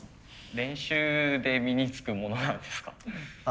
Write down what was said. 練習で身につくものなんですか？